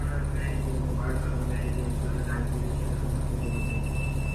কিন্তু এই মসজিদ স্থাপনের পূর্বে "ইম্পিরিয়াল মসজিদ"-ই ছিল তুরস্কের প্রধান মসজিদ।